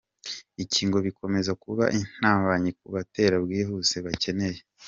Ibi ngo bikomeza kuba intambanyi ku butabera bwihuse bakeneye.